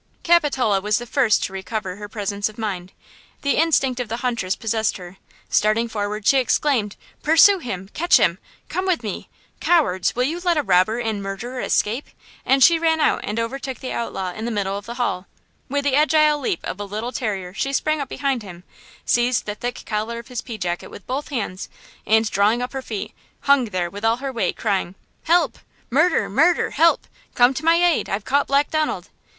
Capitola was the first to recover her presence of mind; the instinct of the huntress possessed her; starting forward, she exclaimed: "Pursue him! catch him! come with me! Cowards, will you let a robber and murderer escape?" and she ran out and overtook the outlaw in the middle of the hall. With the agile leap of a little terrier she sprang up behind him, seized the thick collar of his pea jacket with both hands, and, drawing up her feet, hung there with all her weight, crying "Help! murder! murder! help! Come to my aid! I've caught Black Donald!"